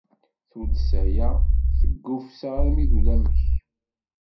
Tuddsa-ya teggufsa armi d ulamek.